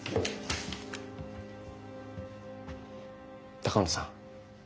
鷹野さん